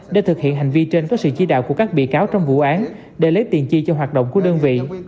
để thực hiện hành vi trên có sự chi đạo của các bị cáo trong vụ án để lấy tiền chi cho hoạt động của đơn vị